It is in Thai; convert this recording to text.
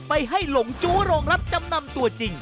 ไปให้หลงจู้โรงรับจำนำตัวจริง